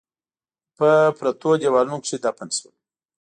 په پريوتو ديوالونو کښ دفن شول